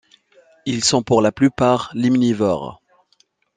Ils sont pour la plupart limnivores.